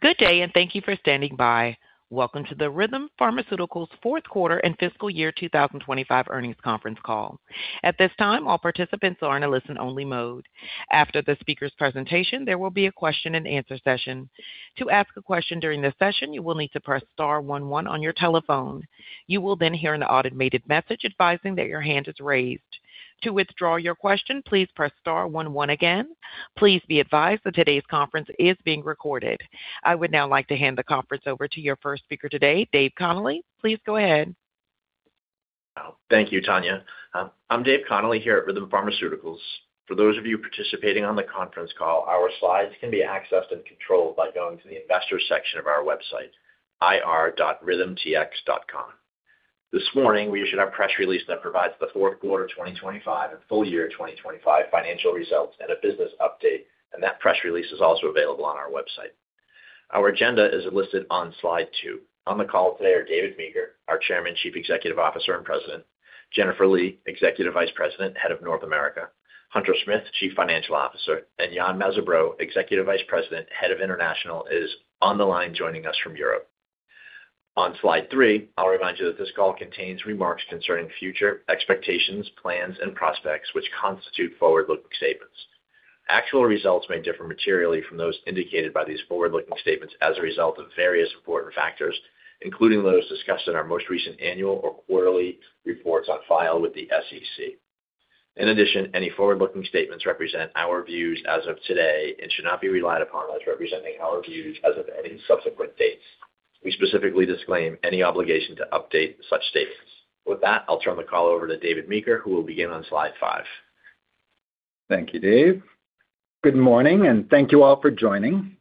Good day. Thank you for standing by. Welcome to the Rhythm Pharmaceuticals fourth quarter and fiscal year 2025 earnings conference call. At this time, all participants are in a listen-only mode. After the speaker's presentation, there will be a question-and-answer session. To ask a question during this session, you will need to press star one one on your telephone. You will then hear an automated message advising that your hand is raised. To withdraw your question, please press star one one again. Please be advised that today's conference is being recorded. I would now like to hand the conference over to your first speaker today, Dave Connolly. Please go ahead. Thank you, Tanya. I'm Dave Connolly here at Rhythm Pharmaceuticals. For those of you participating on the conference call, our slides can be accessed and controlled by going to the Investors section of our website, ir.rhythmtx.com. This morning, we issued our press release that provides the fourth quarter of 2025 and full year of 2025 financial results and a business update. That press release is also available on our website. Our agenda is listed on slide two. On the call today are David Meeker, our Chairman, Chief Executive Officer, and President, Jennifer Lee, Executive Vice President, Head of North America, Hunter Smith, Chief Financial Officer, and Yann Mazabraud, Executive Vice President, Head of International, is on the line joining us from Europe. On slide three, I'll remind you that this call contains remarks concerning future expectations, plans, and prospects, which constitute forward-looking statements. Actual results may differ materially from those indicated by these forward-looking statements as a result of various important factors, including those discussed in our most recent annual or quarterly reports on file with the SEC. In addition, any forward-looking statements represent our views as of today and should not be relied upon as representing our views as of any subsequent dates. We specifically disclaim any obligation to update such statements. With that, I'll turn the call over to David Meeker, who will begin on slide five. Thank you, Dave. Good morning. Thank you all for joining.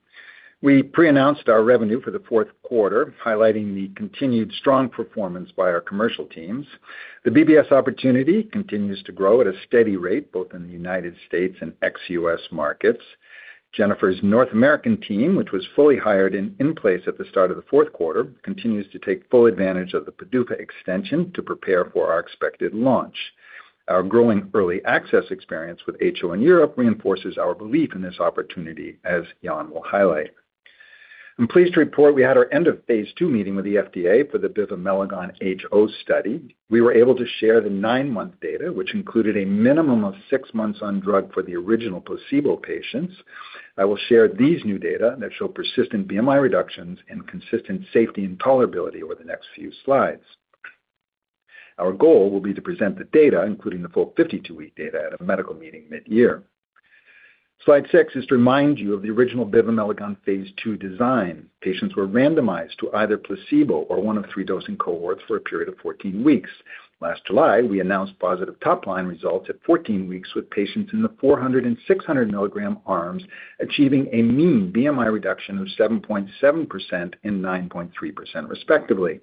We pre-announced our revenue for the fourth quarter, highlighting the continued strong performance by our commercial teams. The BBS opportunity continues to grow at a steady rate, both in the United States and ex-U.S. markets. Jennifer's North American team, which was fully hired and in place at the start of the fourth quarter, continues to take full advantage of the PDUFA extension to prepare for our expected launch. Our growing early access experience with HO in Europe reinforces our belief in this opportunity, as Yann will highlight. I'm pleased to report we had our end of Phase 2 meeting with the FDA for the bivamelagon HO study. We were able to share the nine-month data, which included a minimum of six months on drug for the original placebo patients. I will share these new data that show persistent BMI reductions and consistent safety and tolerability over the next few slides. Our goal will be to present the data, including the full 52-week data, at a medical meeting mid-year. Slide six is to remind you of the original bivamelagon Phase 2 design. Patients were randomized to either placebo or 1 of 3 dosing cohorts for a period of 14 weeks. Last July, we announced positive top-line results at 14 weeks, with patients in the 400 mg and 600 mg arms achieving a mean BMI reduction of 7.7% and 9.3%, respectively.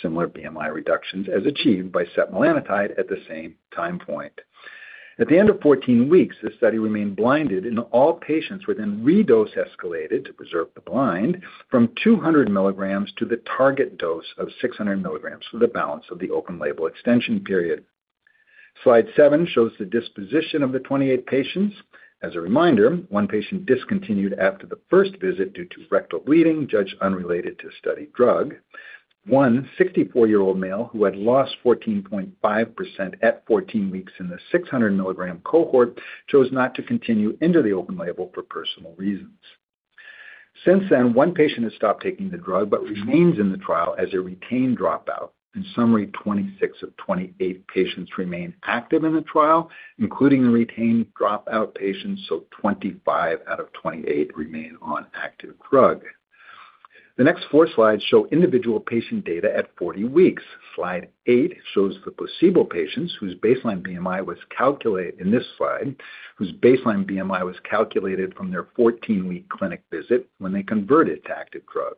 Similar BMI reductions as achieved by setmelanotide at the same time point. At the end of 14 weeks, the study remained blinded. All patients were then redose escalated to preserve the blind from 200 mg to the target dose of 600 mg for the balance of the open label extension period. Slide seven shows the disposition of the 28 patients. As a reminder, one patient discontinued after the first visit due to rectal bleeding, judged unrelated to study drug. One 64-year-old male, who had lost 14.5% at 14 weeks in the 600 mg cohort, chose not to continue into the open label for personal reasons. One patient has stopped taking the drug but remains in the trial as a retained dropout. In summary, 26 of 28 patients remain active in the trial, including the retained dropout patients. 25 out of 28 remain on active drug. The next four slides show individual patient data at 40 weeks. Slide eight shows the placebo patients whose baseline BMI was calculated from their 14-week clinic visit when they converted to active drug.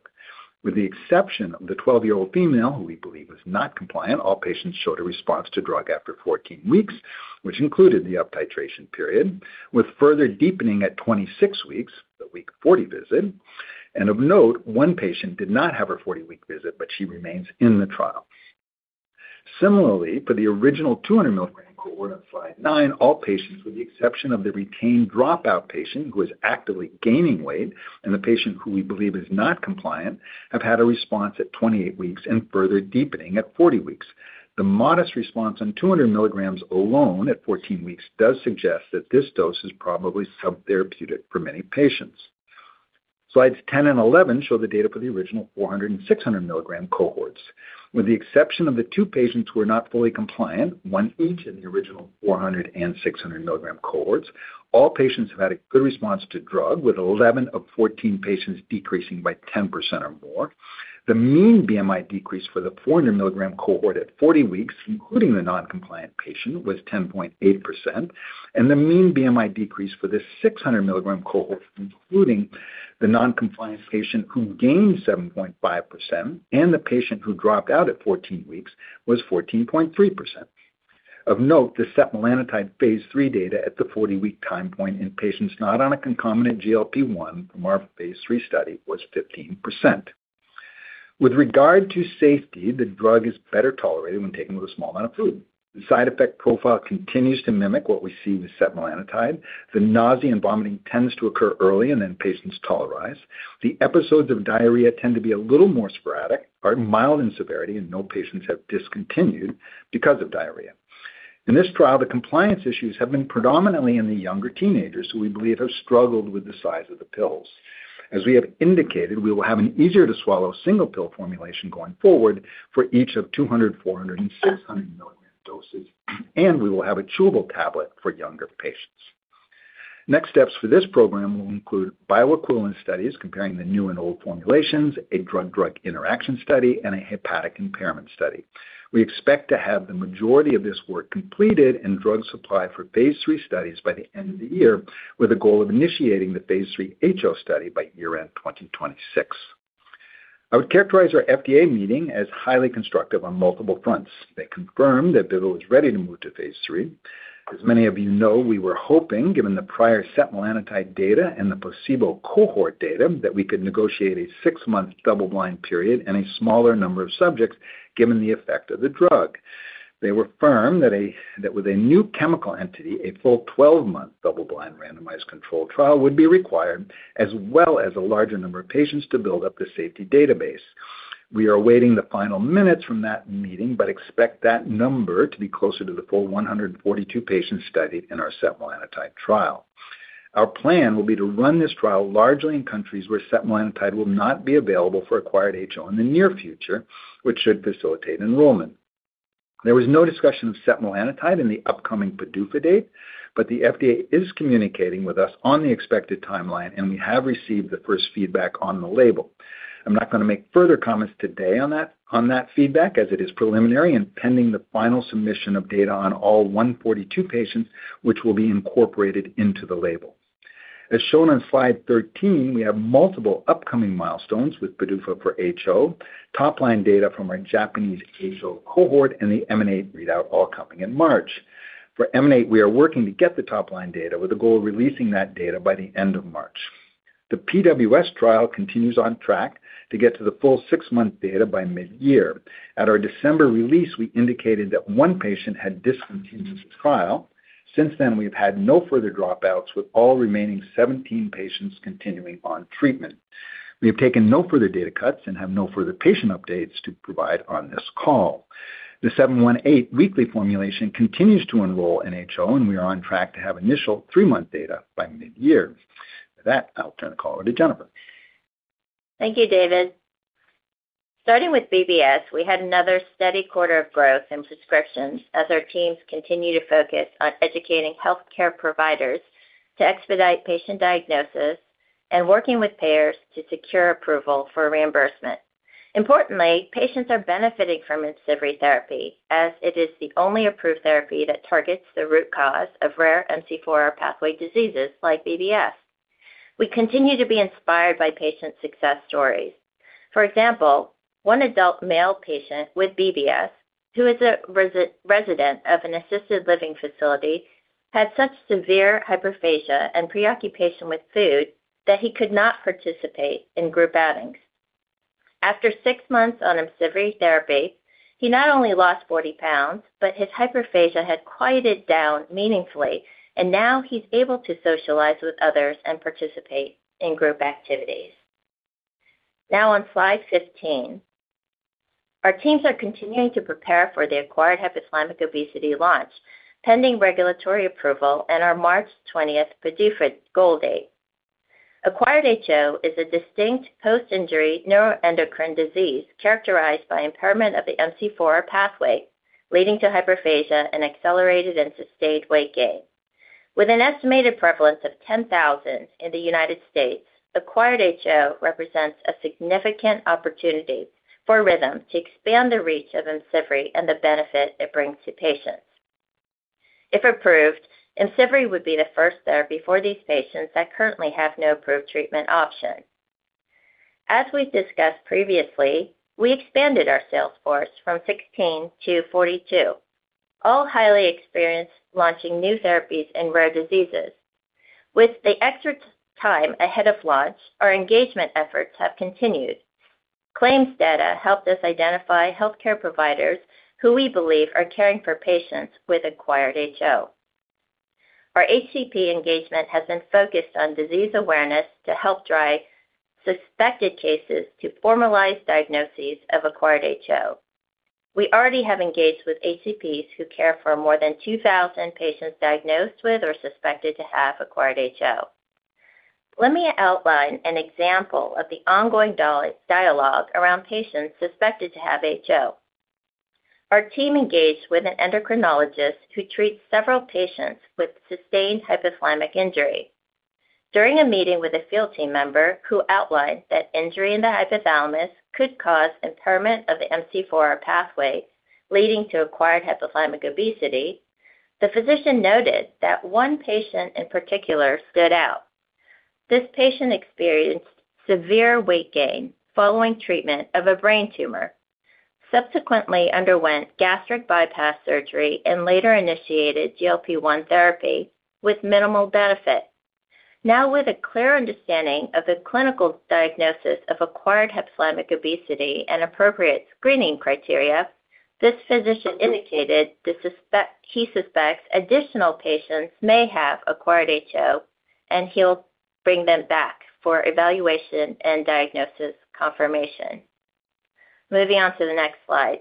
With the exception of the 12-year-old female, who we believe was not compliant, all patients showed a response to drug after 14 weeks, which included the uptitration period, with further deepening at 26 weeks, the week 40 visit. Of note, one patient did not have her 40-week visit, but she remains in the trial. Similarly, for the original 200 mg cohort on slide nine, all patients, with the exception of the retained dropout patient who is actively gaining weight and the patient who we believe is not compliant, have had a response at 28 weeks and further deepening at 40 weeks. The modest response on 200 mg alone at 14 weeks does suggest that this dose is probably subtherapeutic for many patients. Slides 10 and 11 show the data for the original 400 mg and 600 mg cohorts. With the exception of the two patients who are not fully compliant, one each in the original 400 mg and 600 mg cohorts, all patients have had a good response to drug, with 11 of 14 patients decreasing by 10% or more. The mean BMI decrease for the 400 mg cohort at 40 weeks, including the non-compliant patient, was 10.8%, and the mean BMI decrease for the 600 mg cohort, including the non-compliant patient who gained 7.5% and the patient who dropped out at 14 weeks, was 14.3%. Of note, the setmelanotide Phase 3 data at the 40-week time point in patients not on a concomitant GLP-1 from our Phase 3 study was 15%. With regard to safety, the drug is better tolerated when taken with a small amount of food. The side effect profile continues to mimic what we see with setmelanotide. The nausea and vomiting tends to occur early, and then patients tolerize. The episodes of diarrhea tend to be a little more sporadic, are mild in severity, and no patients have discontinued because of diarrhea. In this trial, the compliance issues have been predominantly in the younger teenagers, who we believe have struggled with the size of the pills. As we have indicated, we will have an easier-to-swallow single pill formulation going forward for each of 200 mg, 400 mg, and 600 mg doses, and we will have a chewable tablet for younger patients. Next steps for this program will include bioequivalent studies comparing the new and old formulations, a drug-drug interaction study, and a hepatic impairment study. We expect to have the majority of this work completed and drug supply for Phase 3 studies by the end of the year, with a goal of initiating the Phase 3 HO study by year-end 2026. I would characterize our FDA meeting as highly constructive on multiple fronts. They confirmed that bivamelagon is ready to move to Phase 3. As many of you know, we were hoping, given the prior setmelanotide data and the placebo cohort data, that we could negotiate a six-month double-blind period and a smaller number of subjects, given the effect of the drug. They were firm that with a new chemical entity, a full 12-month double-blind, randomized controlled trial would be required, as well as a larger number of patients to build up the safety database. We are awaiting the final minutes from that meeting. Expect that number to be closer to the full 142 patient study in our setmelanotide trial. Our plan will be to run this trial largely in countries where setmelanotide will not be available for acquired HO in the near future, which should facilitate enrollment. There was no discussion of setmelanotide in the upcoming PDUFA date. The FDA is communicating with us on the expected timeline, and we have received the first feedback on the label. I'm not going to make further comments today on that, on that feedback, as it is preliminary and pending the final submission of data on all 142 patients, which will be incorporated into the label. As shown on slide 13, we have multiple upcoming milestones with PDUFA for HO, top-line data from our Japanese HO cohort and the EMANATE readout all coming in March. For EMANATE, we are working to get the top-line data with the goal of releasing that data by the end of March. The PWS trial continues on track to get to the full six-month data by mid-year. At our December release, we indicated that one patient had discontinued his trial. Since then, we've had no further dropouts, with all remaining 17 patients continuing on treatment. We have taken no further data cuts and have no further patient updates to provide on this call. The RM-718 weekly formulation continues to enroll in HO, and we are on track to have initial three-month data by mid-year. With that, I'll turn the call over to Jennifer. Thank you, David. Starting with BBS, we had another steady quarter of growth in prescriptions as our teams continue to focus on educating healthcare providers to expedite patient diagnosis and working with payers to secure approval for reimbursement. Importantly, patients are benefiting from IMCIVREE therapy as it is the only approved therapy that targets the root cause of rare MC4R pathway diseases like BBS. We continue to be inspired by patient success stories. For example, one adult male patient with BBS, who is a resident of an assisted living facility, had such severe hyperphagia and preoccupation with food that he could not participate in group outings. After six months on IMCIVREE therapy, he not only lost 40 pounds, but his hyperphagia had quieted down meaningfully, and now he's able to socialize with others and participate in group activities. On slide 15. Our teams are continuing to prepare for the Acquired Hypothalamic Obesity launch, pending regulatory approval and our March 20th PDUFA goal date. Acquired HO is a distinct post-injury neuroendocrine disease characterized by impairment of the MC4R pathway, leading to hyperphagia and accelerated and sustained weight gain. With an estimated prevalence of 10,000 in the United States, Acquired HO represents a significant opportunity for Rhythm to expand the reach of IMCIVREE and the benefit it brings to patients. If approved, IMCIVREE would be the first therapy for these patients that currently have no approved treatment option. As we've discussed previously, we expanded our sales force from 16 to 42, all highly experienced launching new therapies in rare diseases. With the extra time ahead of launch, our engagement efforts have continued. Claims data helped us identify healthcare providers who we believe are caring for patients with Acquired HO. Our HCP engagement has been focused on disease awareness to help drive suspected cases to formalize diagnoses of acquired HO. We already have engaged with HCPs who care for more than 2,000 patients diagnosed with or suspected to have acquired HO. Let me outline an example of the ongoing dialogue around patients suspected to have HO. Our team engaged with an endocrinologist who treats several patients with sustained hypothalamic injury. During a meeting with a field team member, who outlined that injury in the hypothalamus could cause impairment of the MC4R pathway, leading to acquired hypothalamic obesity, the physician noted that one patient, in particular, stood out. This patient experienced severe weight gain following treatment of a brain tumor, subsequently underwent gastric bypass surgery, and later initiated GLP-1 therapy with minimal benefit. Now, with a clear understanding of the clinical diagnosis of acquired hypothalamic obesity and appropriate screening criteria, this physician indicated he suspects additional patients may have acquired HO, and he'll bring them back for evaluation and diagnosis confirmation. Moving on to the next slide.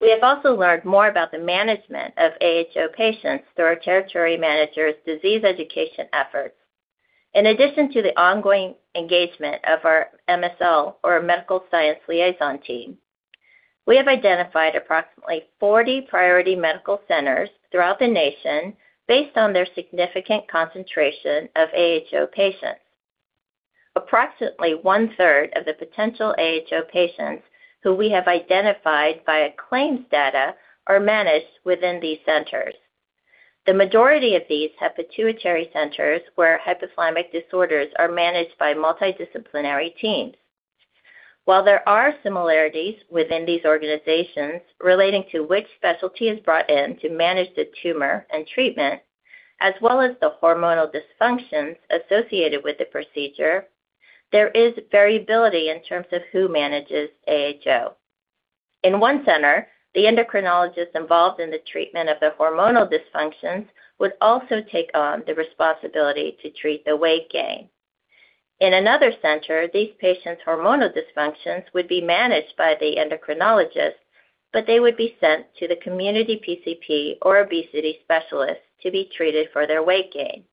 We have also learned more about the management of AHO patients through our territory manager's disease education efforts. In addition to the ongoing engagement of our MSL or Medical Science Liaison team, we have identified approximately 40 priority medical centers throughout the nation based on their significant concentration of AHO patients. Approximately one-third of the potential AHO patients who we have identified via claims data are managed within these centers. The majority of these have pituitary centers, where hypothalamic disorders are managed by multidisciplinary teams. While there are similarities within these organizations relating to which specialty is brought in to manage the tumor and treatment, as well as the hormonal dysfunctions associated with the procedure, there is variability in terms of who manages AHO. In one center, the endocrinologist involved in the treatment of the hormonal dysfunctions would also take on the responsibility to treat the weight gain. In another center, these patients' hormonal dysfunctions would be managed by the endocrinologist, but they would be sent to the community PCP or obesity specialist to be treated for their weight gain.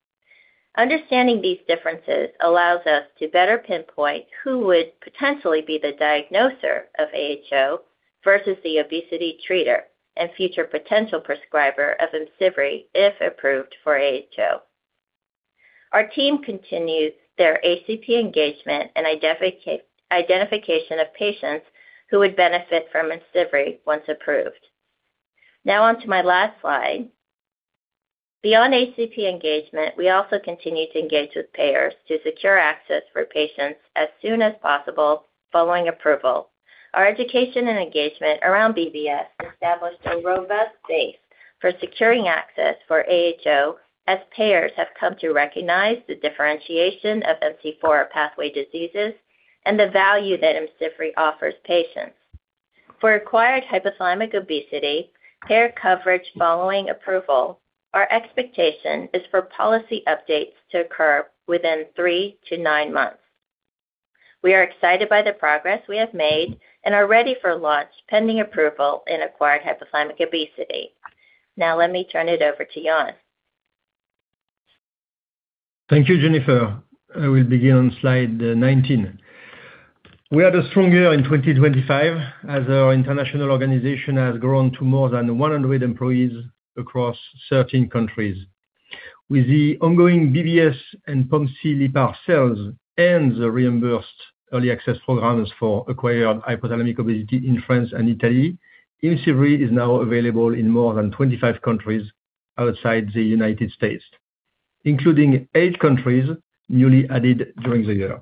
Understanding these differences allows us to better pinpoint who would potentially be the diagnoser of AHO versus the obesity treater and future potential prescriber of IMCIVREE, if approved for AHO. Our team continues their ACP engagement and identification of patients who would benefit from IMCIVREE once approved. On to my last slide. Beyond ACP engagement, we also continue to engage with payers to secure access for patients as soon as possible following approval. Our education and engagement around BBS established a robust base for securing access for AHO, as payers have come to recognize the differentiation of MC4R pathway diseases and the value that IMCIVREE offers patients. For acquired hypothalamic obesity, payer coverage following approval, our expectation is for policy updates to occur within three to nine months. We are excited by the progress we have made and are ready for launch, pending approval in acquired hypothalamic obesity. Let me turn it over to Yann. Thank you, Jennifer. I will begin on slide 19. We had a strong year in 2025, as our international organization has grown to more than 100 employees across 13 countries. With the ongoing BBS and POMC/LEPR cells and the reimbursed early access programs for Acquired Hypothalamic Obesity in France and Italy, IMCIVREE is now available in more than 25 countries outside the United States, including eight countries newly added during the year.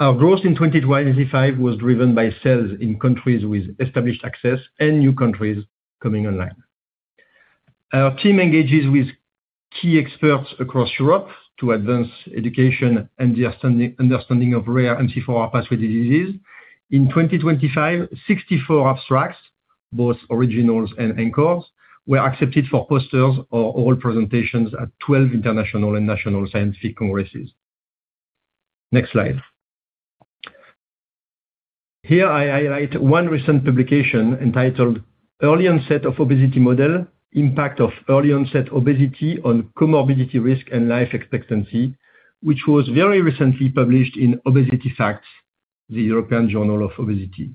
Our growth in 2025 was driven by sales in countries with established access and new countries coming online. Our team engages with key experts across Europe to advance education and the understanding of rare MC4R pathway diseases. In 2025, 64 abstracts, both originals and anchors, were accepted for posters or oral presentations at 12 international and national scientific congresses. Next slide. Here I highlight one recent publication entitled, Early Onset of Obesity Model: Impact of Early-Onset Obesity on Comorbidity Risk and Life Expectancy, which was very recently published in Obesity Facts, the European Journal of Obesity.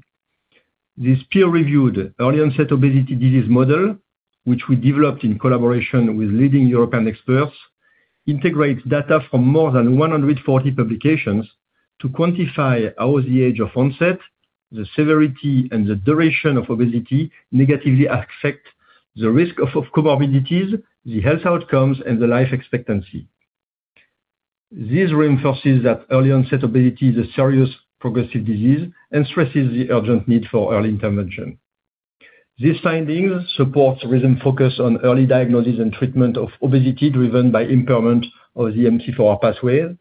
This peer-reviewed early-onset obesity disease model, which we developed in collaboration with leading European experts, integrates data from more than 140 publications to quantify how the age of onset, the severity, and the duration of obesity negatively affect the risk of comorbidities, the health outcomes, and the life expectancy. This reinforces that early-onset obesity is a serious progressive disease and stresses the urgent need for early intervention. This finding supports recent focus on early diagnosis and treatment of obesity, driven by impairment of the MC4R pathway.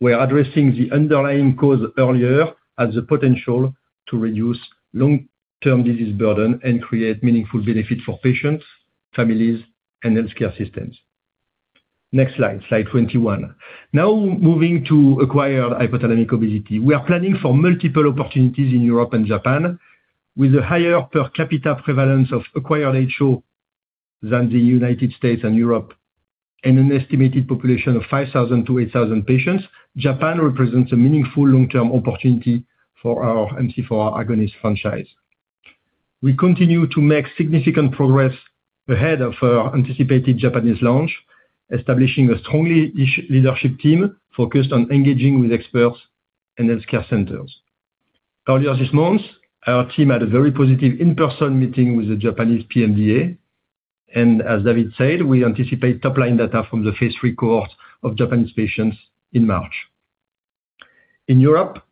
We are addressing the underlying cause earlier as a potential to reduce long-term disease burden and create meaningful benefits for patients, families, and healthcare systems. Next slide 21. Now moving to acquired hypothalamic obesity. We are planning for multiple opportunities in Europe and Japan, with a higher per capita prevalence of acquired HO than the United States and Europe, and an estimated population of 5,000-8,000 patients. Japan represents a meaningful long-term opportunity for our MC4R agonist franchise. We continue to make significant progress ahead of our anticipated Japanese launch, establishing a strong leadership team focused on engaging with experts and healthcare centers. Earlier this month, our team had a very positive in-person meeting with the Japanese PMDA, and as David said, we anticipate top-line data from the Phase 3 cohort of Japanese patients in March. In Europe,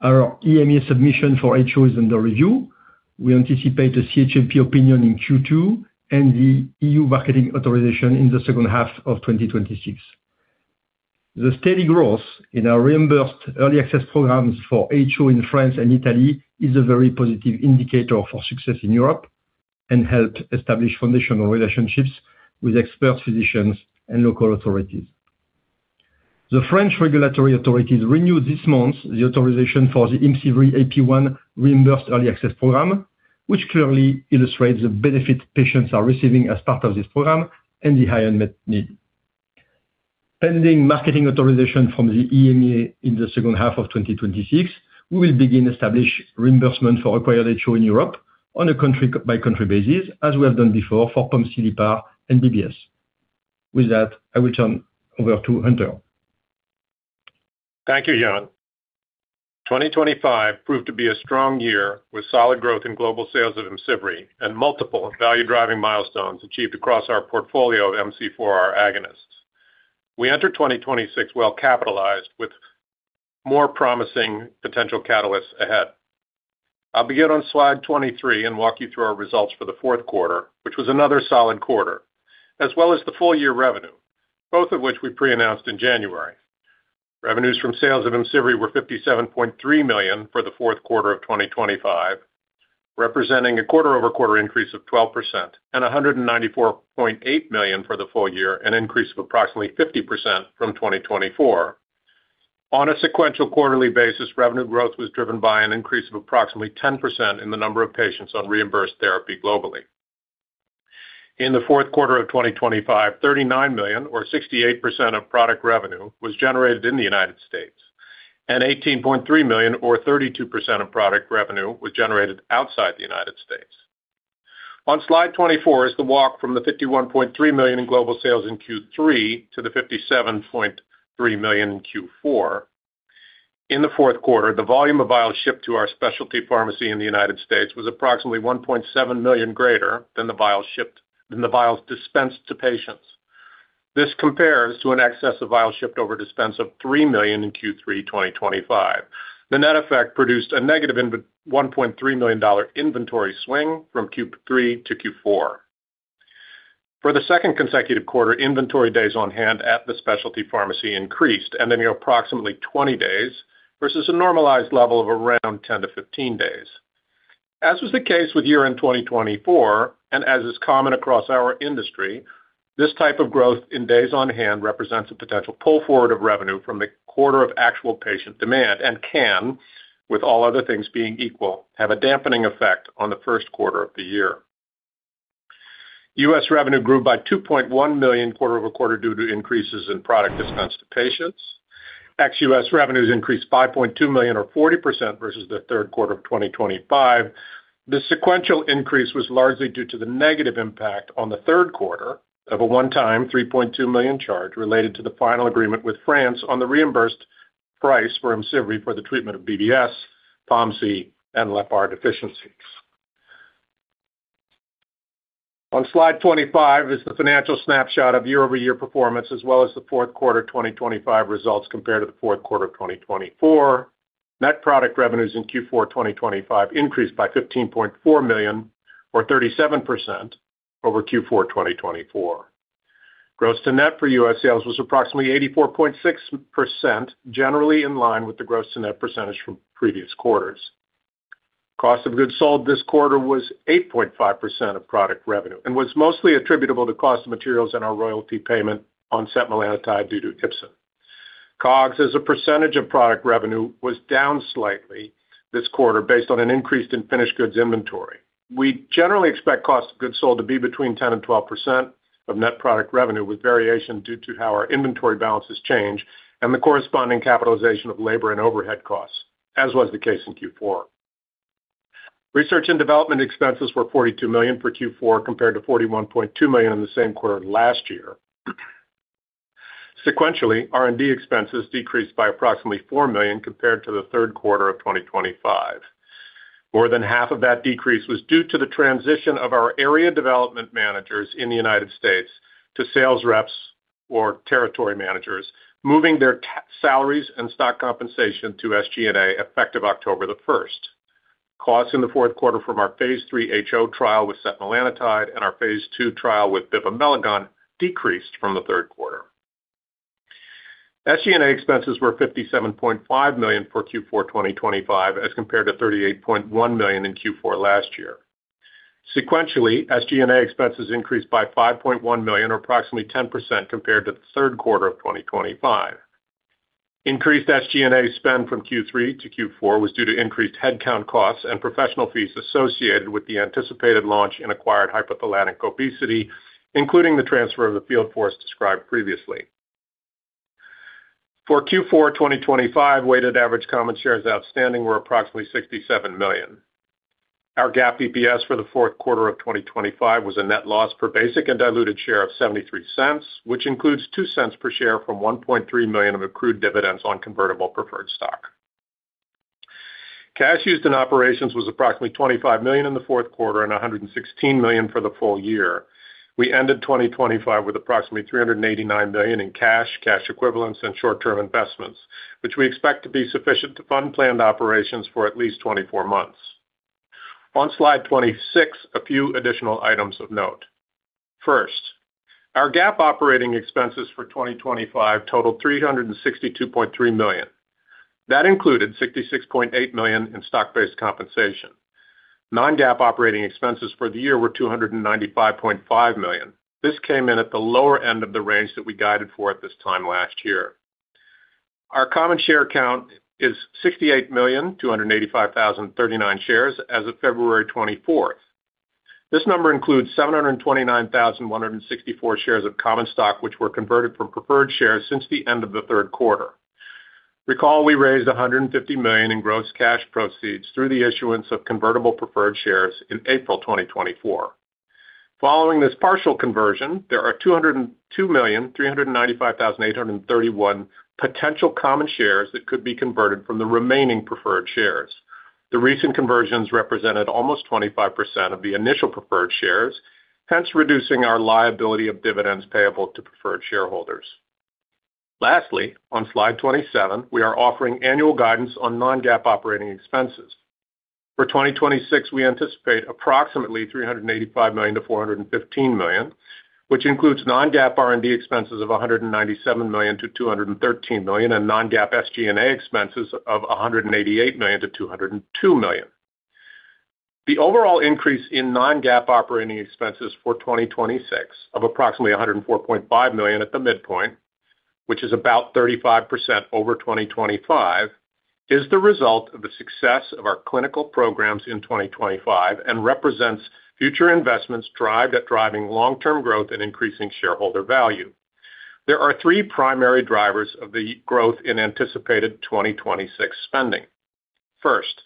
our EMA submission for HO is under review. We anticipate the CHMP opinion in Q2 and the EU marketing authorization in the second half of 2026. The steady growth in our reimbursed early access programs for HO in France and Italy is a very positive indicator for success in Europe and helped establish foundational relationships with expert physicians and local authorities. The French regulatory authorities renewed this month the authorization for the IMCIVREE AP1 reimbursed early access program, which clearly illustrates the benefits patients are receiving as part of this program and the high unmet need. Pending marketing authorization from the EMA in the second half of 2026, we will begin to establish reimbursement for acquired HO in Europe on a country-by-country basis, as we have done before for POMC/LEPR and BBS. With that, I will turn over to Hunter. Thank you, Yann. 2025 proved to be a strong year, with solid growth in global sales of IMCIVREE and multiple value-driving milestones achieved across our portfolio of MC4R agonists. We entered 2026 well capitalized, with more promising potential catalysts ahead. I'll begin on slide 23 and walk you through our results for the fourth quarter, which was another solid quarter, as well as the full-year revenue, both of which we pre-announced in January. Revenues from sales of IMCIVREE were $57.3 million for the fourth quarter of 2025, representing a quarter-over-quarter increase of 12% and $194.8 million for the full year, an increase of approximately 50% from 2024. On a sequential quarterly basis, revenue growth was driven by an increase of approximately 10% in the number of patients on reimbursed therapy globally. In the fourth quarter of 2025, $39 million, or 68% of product revenue, was generated in the United States, and $18.3 million, or 32% of product revenue, was generated outside the United States. On slide 24 is the walk from the $51.3 million in global sales in Q3 to the $57.3 million in Q4. In the fourth quarter, the volume of vials shipped to our specialty pharmacy in the United States was approximately 1.7 million greater than the vials dispensed to patients. This compares to an excess of vials shipped over dispense of 3 million in Q3 2025. The net effect produced a negative $1.3 million inventory swing from Q3 to Q4. For the second consecutive quarter, inventory days on hand at the specialty pharmacy increased. You have approximately 20 days versus a normalized level of around 10-15 days. As was the case with year-end 2024, as is common across our industry, this type of growth in days on hand represents a potential pull forward of revenue from the quarter of actual patient demand and can, with all other things being equal, have a dampening effect on the first quarter of the year. U.S. revenue grew by $2.1 million quarter-over-quarter due to increases in product dispensed to patients. Ex-U.S. revenues increased $5.2 million, or 40%, versus the third quarter of 2025. The sequential increase was largely due to the negative impact on the third quarter of a one-time $3.2 million charge related to the final agreement with France on the reimbursed price for IMCIVREE for the treatment of BBS, POMC, and LEPR deficiencies. On slide 25 is the financial snapshot of year-over-year performance, as well as the fourth quarter 2025 results compared to the fourth quarter of 2024. Net product revenues in Q4 2025 increased by $15.4 million, or 37%, over Q4 2024. Gross to net for U.S. sales was approximately 84.6%, generally in line with the gross to net percentage from previous quarters. Cost of goods sold this quarter was 8.5% of product revenue and was mostly attributable to cost of materials and our royalty payment on setmelanotide due to Ipsen. COGS, as a percentage of product revenue, was down slightly this quarter based on an increase in finished goods inventory. We generally expect cost of goods sold to be between 10% and 12% of net product revenue, with variation due to how our inventory balances change and the corresponding capitalization of labor and overhead costs, as was the case in Q4. Research and development expenses were $42 million for Q4, compared to $41.2 million in the same quarter last year. Sequentially, R&D expenses decreased by approximately $4 million compared to the third quarter of 2025. More than half of that decrease was due to the transition of our area development managers in the United States to sales reps or territory managers, moving their salaries and stock compensation to SG&A, effective October 1st. Costs in the fourth quarter from our Phase 3 HO trial with setmelanotide and our Phase 2 trial with bivamelagon decreased from the third quarter. SG&A expenses were $57.5 million for Q4 2025, as compared to $38.1 million in Q4 last year. Sequentially, SG&A expenses increased by $5.1 million, or approximately 10%, compared to the third quarter of 2025. Increased SG&A spend from Q3 to Q4 was due to increased headcount costs and professional fees associated with the anticipated launch in acquired hypothalamic obesity, including the transfer of the field force described previously. For Q4 2025, weighted average common shares outstanding were approximately 67 million. Our GAAP EPS for the fourth quarter of 2025 was a net loss per basic and diluted share of $0.73, which includes $0.02 per share from $1.3 million of accrued dividends on convertible preferred stock. Cash used in operations was approximately $25 million in the fourth quarter and $116 million for the full year. We ended 2025 with approximately $389 million in cash equivalents, and short-term investments, which we expect to be sufficient to fund planned operations for at least 24 months. On slide 26, a few additional items of note. Our GAAP operating expenses for 2025 totaled $362.3 million. That included $66.8 million in stock-based compensation. Non-GAAP operating expenses for the year were $295.5 million. This came in at the lower end of the range that we guided for at this time last year. Our common share count is 68,285,039 shares as of February 24th. This number includes 729,164 shares of common stock, which were converted from preferred shares since the end of the third quarter. Recall, we raised $150 million in gross cash proceeds through the issuance of convertible preferred shares in April 2024. Following this partial conversion, there are 202,395,831 potential common shares that could be converted from the remaining preferred shares. The recent conversions represented almost 25% of the initial preferred shares, hence reducing our liability of dividends payable to preferred shareholders. Lastly, on slide 27, we are offering annual guidance on non-GAAP operating expenses. For 2026, we anticipate approximately $385 million-$415 million, which includes non-GAAP R&D expenses of $197 million-$213 million, and non-GAAP SG&A expenses of $188 million-$202 million. The overall increase in non-GAAP operating expenses for 2026 of approximately $104.5 million at the midpoint, which is about 35% over 2025, is the result of the success of our clinical programs in 2025 and represents future investments drived at driving long-term growth and increasing shareholder value. There are three primary drivers of the growth in anticipated 2026 spending. First,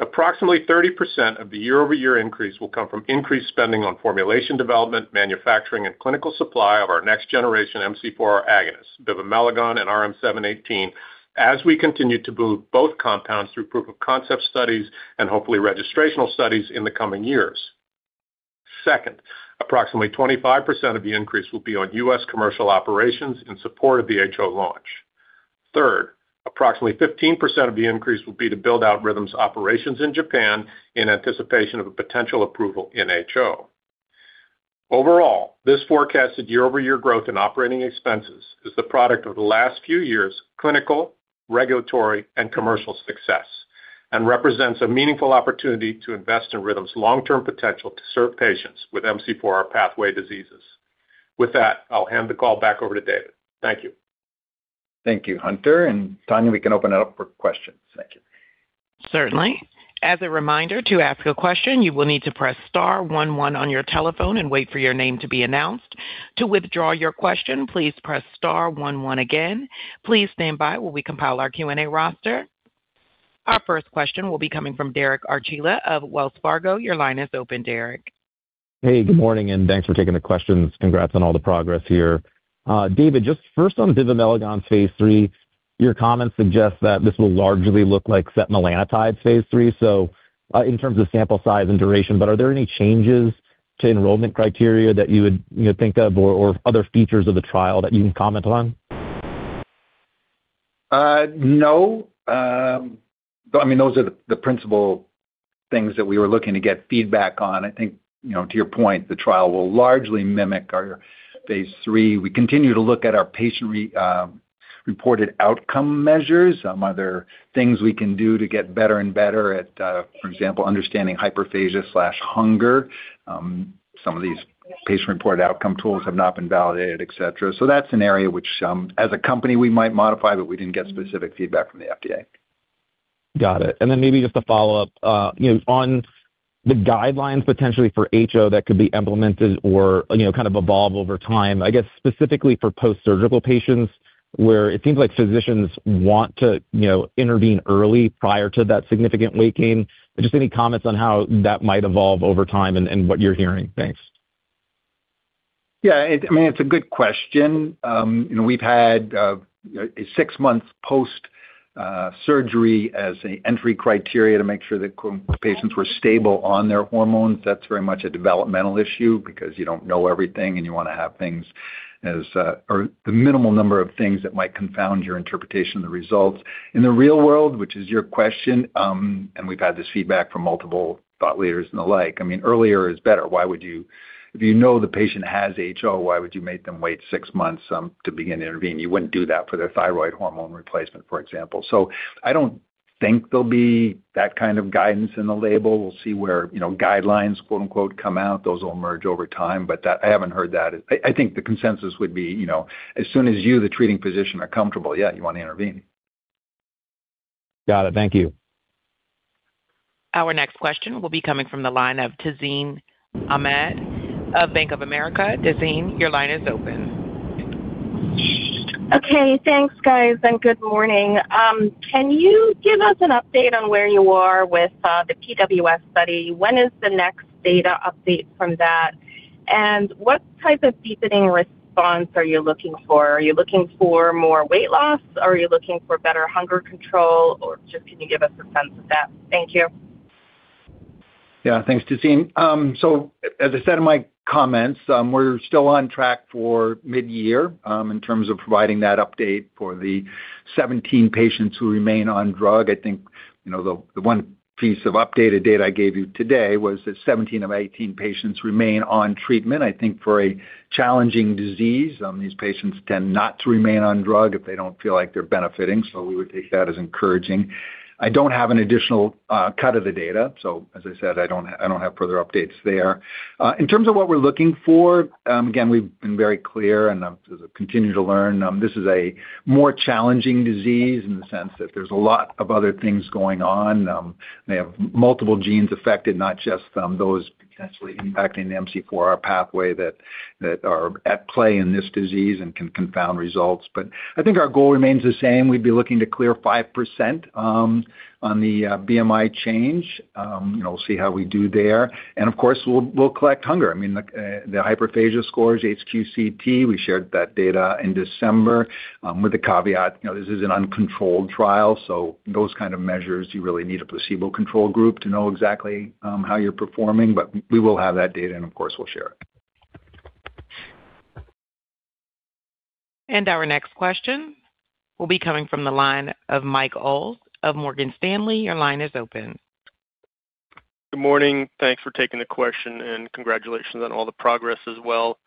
approximately 30% of the year-over-year increase will come from increased spending on formulation development, manufacturing, and clinical supply of our next generation MC4R agonists, bivamelagon and RM-718, as we continue to move both compounds through proof of concept studies and hopefully registrational studies in the coming years. Second, approximately 25% of the increase will be on U.S. commercial operations in support of the HO launch. Third, approximately 15% of the increase will be to build out Rhythm's operations in Japan in anticipation of a potential approval in HO. Overall, this forecasted year-over-year growth in operating expenses is the product of the last few years' clinical, regulatory, and commercial success, and represents a meaningful opportunity to invest in Rhythm's long-term potential to serve patients with MC4R pathway diseases. With that, I'll hand the call back over to David. Thank you. Thank you, Hunter. Tanya, we can open it up for questions. Thank you. Certainly. As a reminder, to ask a question, you will need to press star one one on your telephone and wait for your name to be announced. To withdraw your question, please press star one one again. Please stand by while we compile our Q&A roster. Our first question will be coming from Derek Archila of Wells Fargo. Your line is open, Derek. Good morning, and thanks for taking the questions. Congrats on all the progress here. David, just first on bivamelagon Phase 3, your comments suggest that this will largely look like setmelanotide Phase 3, so, in terms of sample size and duration, but are there any changes to enrollment criteria that you would, you know, think of or other features of the trial that you can comment on? No. I mean, those are the principal things that we were looking to get feedback on. I think, you know, to your point, the trial will largely mimic Phase 3. we continue to look at our patient reported outcome measures, some other things we can do to get better and better at, for example, understanding hyperphagia slash hunger. Some of these patient-reported outcome tools have not been validated, et cetera. That's an area which, as a company, we might modify, but we didn't get specific feedback from the FDA. Got it. Maybe just to follow up, you know, on the guidelines potentially for HO that could be implemented or, you know, kind of evolve over time, I guess specifically for post-surgical patients, where it seems like physicians want to, you know, intervene early prior to that significant weight gain. Just any comments on how that might evolve over time and what you're hearing? Thanks. Yeah, I mean, it's a good question. You know, we've had six months post surgery as a entry criteria to make sure that patients were stable on their hormones. That's very much a developmental issue because you don't know everything, and you wanna have things as, or the minimal number of things that might confound your interpretation of the results. In the real world, which is your question, and we've had this feedback from multiple thought leaders and the like, I mean, earlier is better. Why would you if you know the patient has HO, why would you make them wait six months to begin to intervene? You wouldn't do that for their thyroid hormone replacement, for example. I don't think there'll be that kind of guidance in the label. We'll see where, you know, guidelines, quote, unquote, "come out." Those will emerge over time, but I haven't heard that. I think the consensus would be, you know, as soon as you, the treating physician, are comfortable, yeah, you want to intervene. Got it. Thank you. Our next question will be coming from the line of Tazeen Ahmad of Bank of America. Tazeen, your line is open. Okay, thanks, guys, and good morning. Can you give us an update on where you are with the PWS study? When is the next data update from that? What type of deepening response are you looking for? Are you looking for more weight loss, or are you looking for better hunger control? Or just can you give us a sense of that? Thank you. Yeah. Thanks, Tazeen. As I said in my comments, we're still on track for mid-year, in terms of providing that update for the 17 patients who remain on drug. I think, you know, the one piece of updated data I gave you today was that 17 of 18 patients remain on treatment. I think for a challenging disease, these patients tend not to remain on drug if they don't feel like they're benefiting, so we would take that as encouraging. I don't have an additional cut of the data, so as I said, I don't have further updates there. In terms of what we're looking for, again, we've been very clear and continue to learn, this is a more challenging disease in the sense that there's a lot of other things going on. They have multiple genes affected, not just those potentially impacting the MC4R pathway that are at play in this disease and can confound results. I think our goal remains the same. We'd be looking to clear 5% on the BMI change. We'll see how we do there, and of course, we'll collect hunger. I mean, the hyperphagia scores, HQ-CT, we shared that data in December with the caveat, you know, this is an uncontrolled trial, so those kind of measures, you really need a placebo control group to know exactly how you're performing. We will have that data, and of course, we'll share it. Our next question will be coming from the line of Mike Ulz of Morgan Stanley. Your line is open. Good morning. Thanks for taking the question, and congratulations on all the progress as well.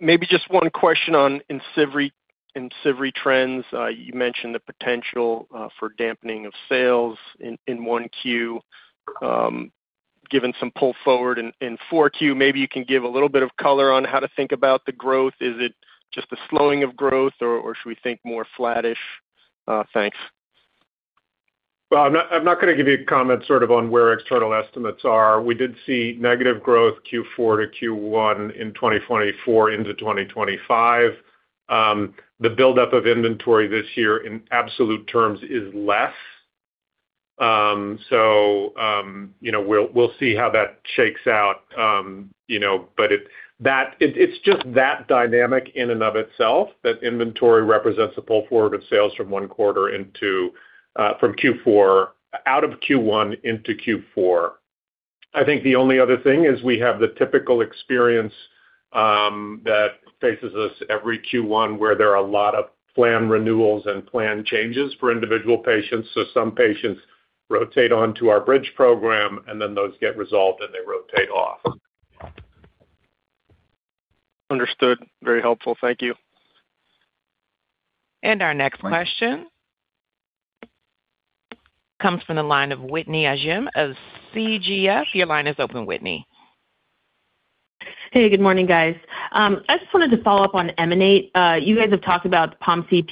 Maybe just one question on IMCIVREE trends. You mentioned the potential for dampening of sales in 1Q, given some pull forward in 4Q. Maybe you can give a little bit of color on how to think about the growth. Is it just a slowing of growth, or should we think more flattish? Thanks. Well, I'm not, I'm not gonna give you comment sort of on where external estimates are. We did see negative growth Q4 to Q1 in 2024 into 2025. The buildup of inventory this year in absolute terms is less. You know, we'll see how that shakes out, you know, but it's just that dynamic in and of itself, that inventory represents a pull forward of sales from one quarter into, from Q4 out of Q1 into Q4. I think the only other thing is we have the typical experience that faces us every Q1, where there are a lot of plan renewals and plan changes for individual patients. Some patients rotate on to our bridge program, and then those get resolved, and they rotate off. Understood. Very helpful. Thank you. Our next question comes from the line of Whitney Ijem of Canaccord Genuity. Your line is open, Whitney. Hey, good morning, guys. I just wanted to follow up on EMANATE. You guys have talked about POMC,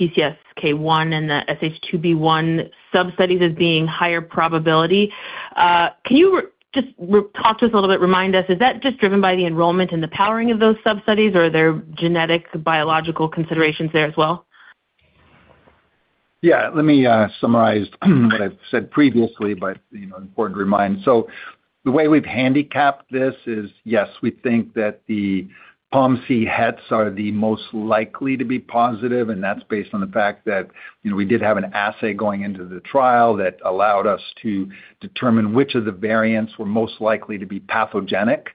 PCSK1 and the SH2B1 substudies as being higher probability. Can you just talk to us a little bit, remind us, is that just driven by the enrollment and the powering of those substudies, or are there genetic biological considerations there as well? Let me summarize what I've said previously, you know, important to remind. The way we've handicapped this is, yes, we think that the POMC heads are the most likely to be positive, and that's based on the fact that, you know, we did have an assay going into the trial that allowed us to determine which of the variants were most likely to be pathogenic,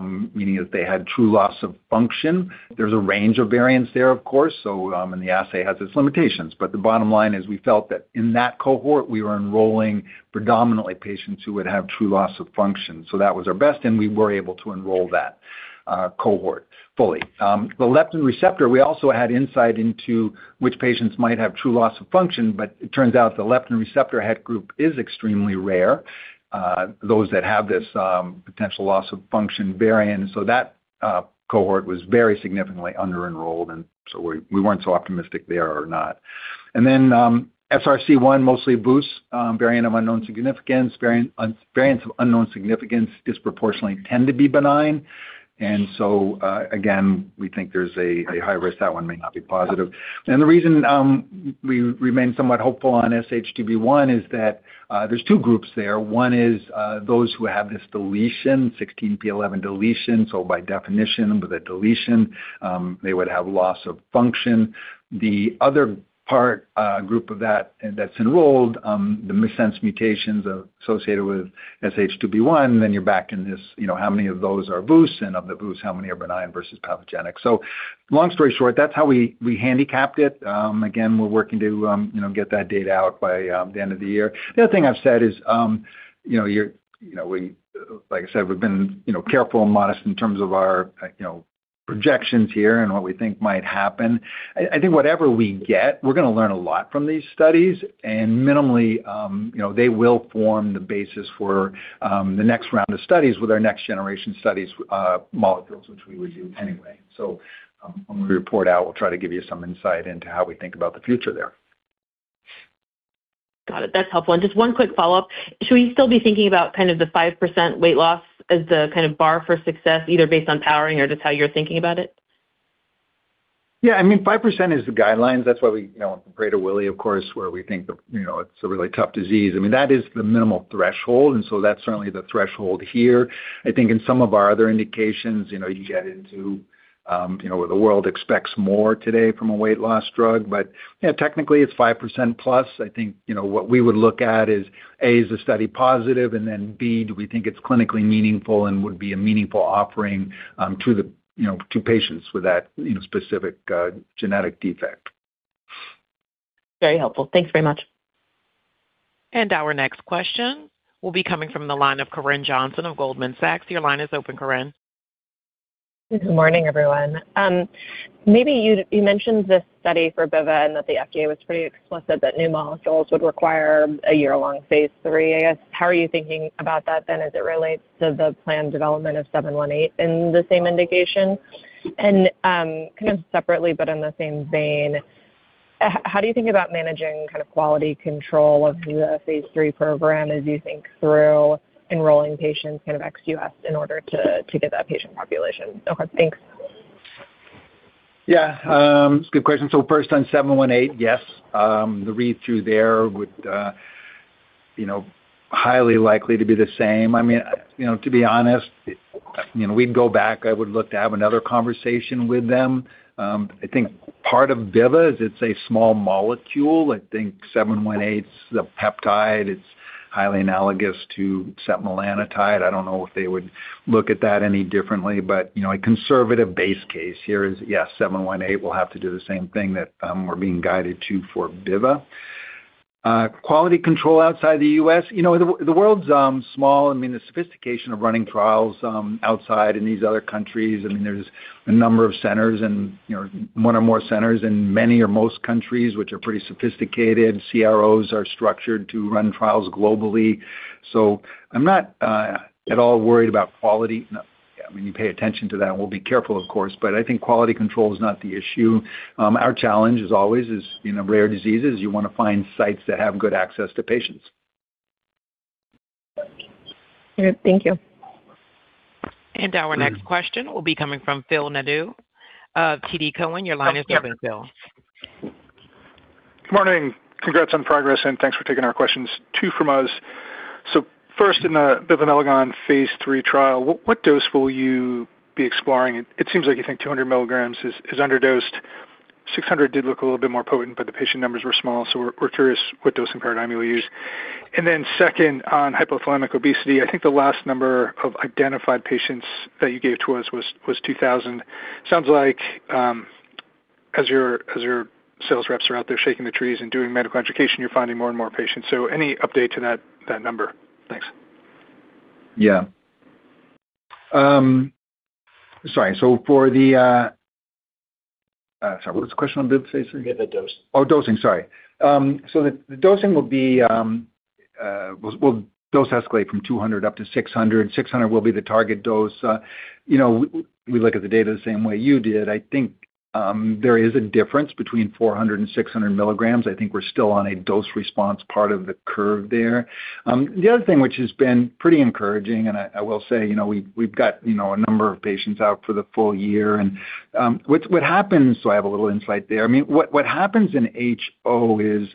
meaning that they had true loss of function. There's a range of variants there, of course, the assay has its limitations. The bottom line is we felt that in that cohort, we were enrolling predominantly patients who would have true loss of function. That was our best, and we were able to enroll that cohort fully. The leptin receptor, we also had insight into which patients might have true loss of function. It turns out the leptin receptor head group is extremely rare, those that have this potential loss-of-function variant. That cohort was very significantly under-enrolled, and we weren't so optimistic there or not. SRC1, mostly VUS, Variant of Unknown Significance. Variants of Unknown Significance disproportionately tend to be benign. Again, we think there's a high risk that one may not be positive. The reason we remain somewhat hopeful on SH2B1 is that there's two groups there. One is those who have this deletion, 16p11.2 deletion. By definition, with a deletion, they would have loss of function. The other part, group of that, and that's enrolled, the missense mutations associated with SH2B1, you're back in this, you know, how many of those are VUS, and of the VUS, how many are benign versus pathogenic? Long story short, that's how we handicapped it. Again, we're working to, you know, get that data out by the end of the year. The other thing I've said is, you know, you're, you know, we, like I said, we've been, you know, careful and modest in terms of our, you know, projections here and what we think might happen. I think whatever we get, we're gonna learn a lot from these studies, and minimally, you know, they will form the basis for the next round of studies with our next generation studies, molecules, which we would do anyway. When we report out, we'll try to give you some insight into how we think about the future there. Got it. That's helpful. Just one quick follow-up. Should we still be thinking about kind of the 5% weight loss as the kind of bar for success, either based on powering or just how you're thinking about it? Yeah, I mean, 5% is the guidelines. That's why we, you know, Prader-Willi, of course, where we think, you know, it's a really tough disease. I mean, that is the minimal threshold, so that's certainly the threshold here. I think in some of our other indications, you know, you get into, you know, where the world expects more today from a weight loss drug. Yeah, technically, it's 5% plus. I think, you know, what we would look at is, A, is the study positive? Then, B, do we think it's clinically meaningful and would be a meaningful offering, to the, you know, to patients with that, you know, specific genetic defect? Very helpful. Thanks very much. Our next question will be coming from the line of Corinne Johnson of Goldman Sachs. Your line is open, Corinne. Good morning, everyone. Maybe you mentioned this study for BIVA and that the FDA was pretty explicit that new molecules would require a Phase 3, I guess. How are you thinking about that then, as it relates to the planned development of RM-718 in the same indication? Kind of separately, but in the same vein, how do you think about managing kind of quality control of Phase 3 program as you think through enrolling patients kind of ex U.S. in order to get that patient population? Okay, thanks. Good question. First on RM-718, yes, the read-through there would, you know, highly likely to be the same. I mean, you know, to be honest, you know, we'd go back, I would look to have another conversation with them. I think part of bivamelagon is it's a small molecule. I think RM-718's a peptide. It's highly analogous to setmelanotide. I don't know if they would look at that any differently, but, you know, a conservative base case here is, yes, RM-718 will have to do the same thing that we're being guided to for bivamelagon. Quality control outside the U.S., you know, the world's small. I mean, the sophistication of running trials, outside in these other countries, I mean, there's a number of centers and, you know, one or more centers in many or most countries, which are pretty sophisticated. CROs are structured to run trials globally. I'm not at all worried about quality. I mean, you pay attention to that, and we'll be careful, of course, but I think quality control is not the issue. Our challenge as always is, you know, rare diseases, you wanna find sites that have good access to patients. Good. Thank you. Our next question will be coming from Phil Nadeau of TD Cowen. Your line is open, Phil. Morning. Congrats on progress, and thanks for taking our questions. Two from us. First, in the bivamelagon Phase 3 trial, what dose will you be exploring? It seems like you think 200 mg is underdosed. 600 mg did look a little bit more potent, but the patient numbers were small, so we're curious what dosing paradigm you will use. Second, on hypothalamic obesity, I think the last number of identified patients that you gave to us was 2,000. Sounds like, as your sales reps are out there shaking the trees and doing medical education, you're finding more and more patients. Any update to that number? Thanks. Yeah. sorry, what was the question on bivamelagon Phase 3? Yeah, the dose. Oh, dosing. Sorry. So the dosing will be we'll dose escalate from 200 mg up to 600 mg. 600 mg will be the target dose. You know, we look at the data the same way you did. I think there is a difference between 400 mg and 600 mg. I think we're still on a dose response part of the curve there. The other thing, which has been pretty encouraging, and I will say, you know, we've got, you know, a number of patients out for the full year. What happens, so I have a little insight there. I mean, what happens in HO is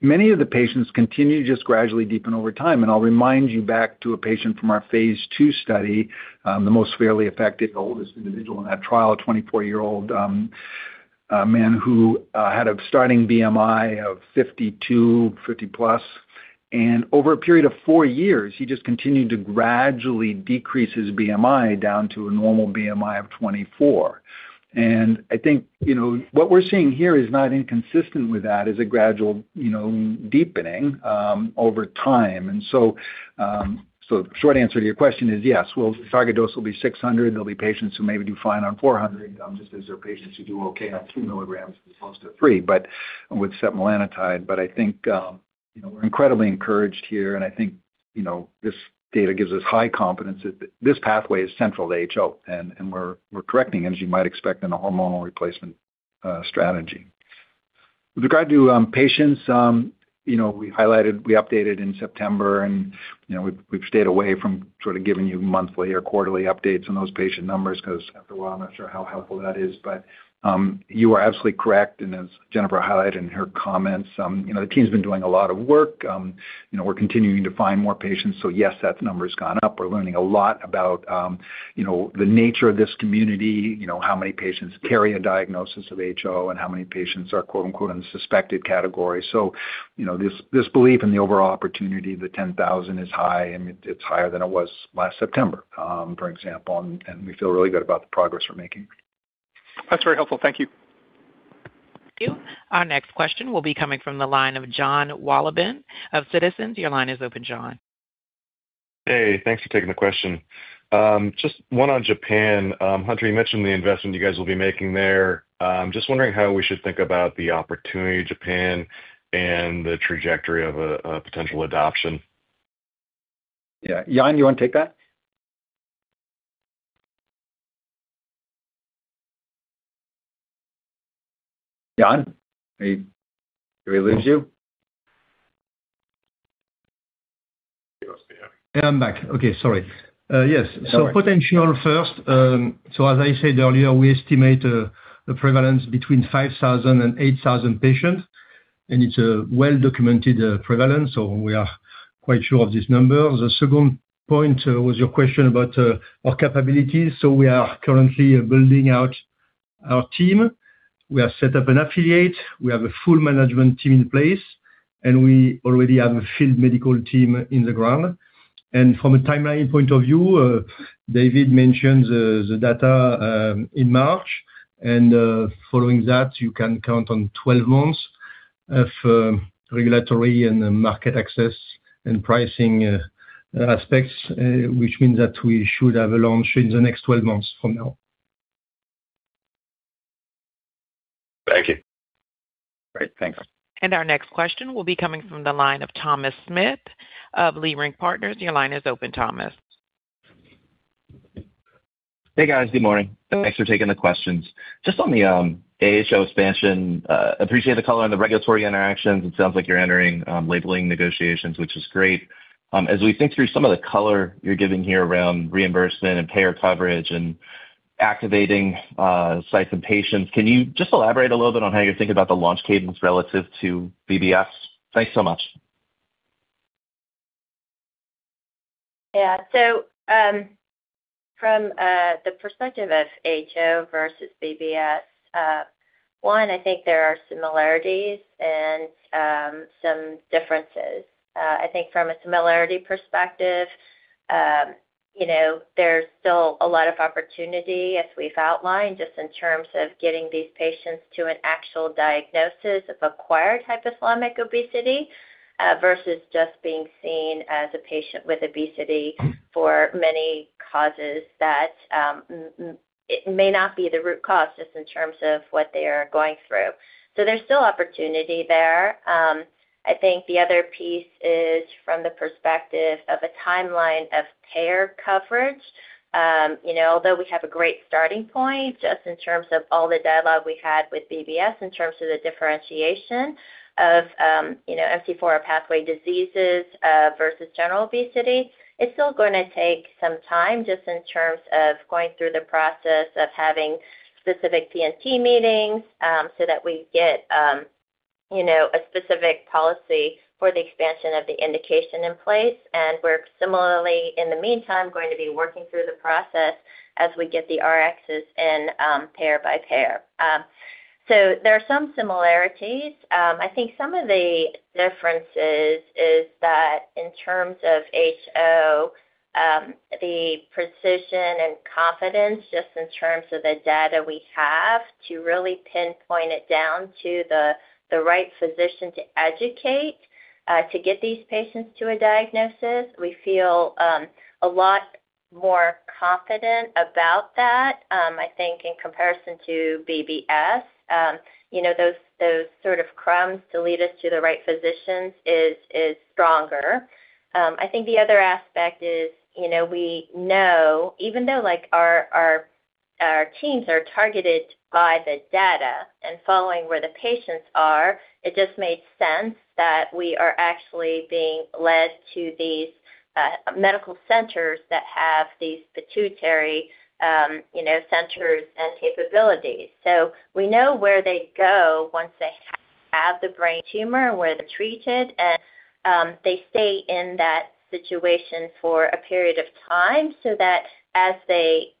many of the patients continue to just gradually deepen over time. I'll remind you back to a patient from our Phase 2 study, the most fairly affected oldest individual in that trial, a 24-year-old man who had a starting BMI of 52, 50+, and over a period of four years, he just continued to gradually decrease his BMI down to a normal BMI of 24. I think, you know, what we're seeing here is not inconsistent with that, is a gradual, you know, deepening over time. So, short answer to your question is yes, well, the target dose will be 600 mg. There'll be patients who maybe do fine on 400 mg, just as there are patients who do okay on 2 mg as opposed to 3 with setmelanotide. I think, you know, we're incredibly encouraged here, and I think, you know, this data gives us high confidence that this pathway is central to HO, and we're correcting, as you might expect, in a hormonal replacement strategy. With regard to patients, you know, we updated in September, and, you know, we've stayed away from sort of giving you monthly or quarterly updates on those patient numbers, 'cause after a while, I'm not sure how helpful that is. You are absolutely correct, and as Jennifer highlighted in her comments, you know, the team's been doing a lot of work. You know, we're continuing to find more patients. Yes, that number's gone up. We're learning a lot about, you know, the nature of this community, you know, how many patients carry a diagnosis of HO and how many patients are, quote, unquote, "in suspected category." you know, this belief in the overall opportunity, the 10,000, is high, and it's higher than it was last September, for example, and we feel really good about the progress we're making. That's very helpful. Thank you. Thank you. Our next question will be coming from the line of Jon Wolleben of Citizens. Your line is open, John. Hey, thanks for taking the question. Just one on Japan. Hunter, you mentioned the investment you guys will be making there. Just wondering how we should think about the opportunity in Japan and the trajectory of a potential adoption. Yeah. Yann, you want to take that? Yann, are you... Did we lose you? Yeah, I'm back. Okay, sorry. Yes. Potential first, as I said earlier, we estimate the prevalence between 5,000 and 8,000 patients, and it's a well-documented prevalence, we are quite sure of this number. The second point was your question about our capabilities. We are currently building out our team. We have set up an affiliate. We have a full management team in place, and we already have a field medical team in the ground. From a timeline point of view, David mentioned the data in March, following that, you can count on 12 months of regulatory and market access and pricing aspects, which means that we should have a launch in the next 12 months from now. Thank you. Great. Thanks. Our next question will be coming from the line of Thomas Smith of Leerink Partners. Your line is open, Thomas. Hey, guys. Good morning. Thanks for taking the questions. Just on the HO expansion, appreciate the color on the regulatory interactions. It sounds like you're entering labeling negotiations, which is great. As we think through some of the color you're giving here around reimbursement and payer coverage and activating sites and patients, can you just elaborate a little bit on how you think about the launch cadence relative to BBS? Thanks so much. Yeah. From the perspective of HO versus BBS, one, I think there are similarities and some differences. I think from a similarity perspective, you know, there's still a lot of opportunity, as we've outlined, just in terms of getting these patients to an actual diagnosis of Acquired Hypothalamic Obesity, versus just being seen as a patient with obesity for many causes that it may not be the root cause just in terms of what they are going through. There's still opportunity there. I think the other piece is from the perspective of a timeline of care coverage. You know, although we have a great starting point, just in terms of all the dialogue we had with BBS, in terms of the differentiation of, you know, MC4R pathway diseases, versus general obesity, it's still gonna take some time just in terms of going through the process of having specific CNT meetings, so that we get, you know, a specific policy for the expansion of the indication in place. We're similarly, in the meantime, going to be working through the process as we get the RXs in, pair by pair. There are some similarities. I think some of the differences is that in terms of HO, the precision and confidence, just in terms of the data we have to really pinpoint it down to the right physician to educate, to get these patients to a diagnosis, we feel a lot more confident about that. I think in comparison to BBS, you know, those sort of crumbs to lead us to the right physicians is stronger. I think the other aspect is, you know, we know even though, like, our teams are targeted by the data and following where the patients are, it just made sense that we are actually being led to these medical centers that have these pituitary, you know, centers and capabilities. We know where they go once they have the brain tumor, where they're treated, and they stay in that situation for a period of time so that as they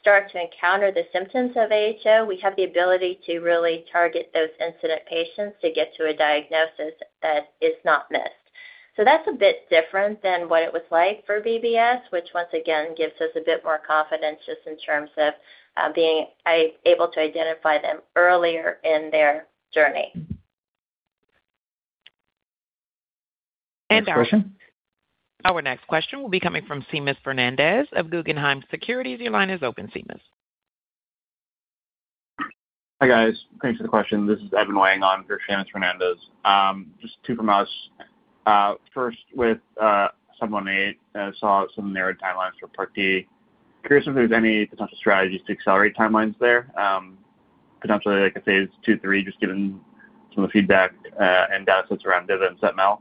start to encounter the symptoms of HO, we have the ability to really target those incident patients to get to a diagnosis that is not missed. That's a bit different than what it was like for BBS, which once again, gives us a bit more confidence just in terms of being able to identify them earlier in their journey. Next question. Our next question will be coming from Seamus Fernandez of Guggenheim Securities. Your line is open, Seamus. Hi, guys. Thanks for the question. This is Evan on for Seamus Fernandez. Just two from us. First, with RM-718, I saw some narrow timelines for Part D. Curious if there's any potential strategies to accelerate timelines there, potentially, like a Phase 2, 3, just given some of the feedback and data that's around bivamelagon and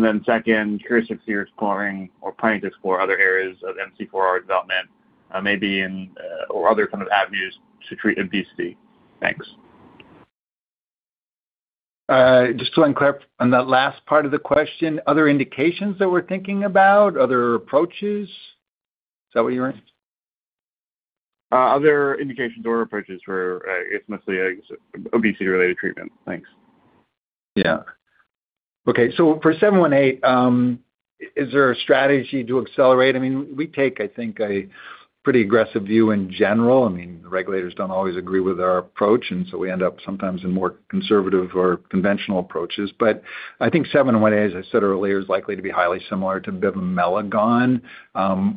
setmelanotide? Second, curious if you're exploring or planning to explore other areas of MC4R development, maybe in or other kind of avenues to treat obesity. Thanks. Just to clarify on that last part of the question, other indications that we're thinking about, other approaches? Is that what you're in? Other indications or approaches for, it's mostly, I guess, obesity-related treatment. Thanks. Okay, for RM-718, is there a strategy to accelerate? I mean, we take, I think, a pretty aggressive view in general. I mean, regulators don't always agree with our approach, we end up sometimes in more conservative or conventional approaches. I think RM-718, as I said earlier, is likely to be highly similar to bivamelagon.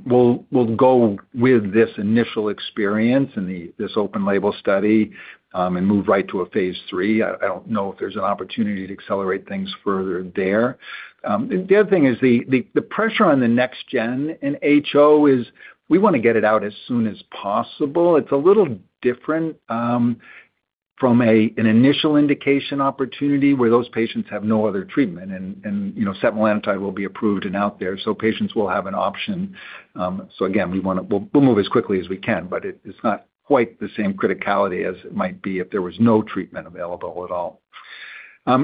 We'll go with this initial experience and this open label study, and move right to a Phase 3. I don't know if there's an opportunity to accelerate things further there. The other thing is the pressure on the next gen in HO is we want to get it out as soon as possible. It's a little different. From an initial indication opportunity where those patients have no other treatment, and, you know, setmelanotide will be approved and out there, patients will have an option. Again, we'll move as quickly as we can, but it's not quite the same criticality as it might be if there was no treatment available at all.